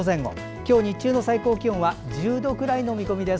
今日、日中の最高気温は１０度くらいの見込みです。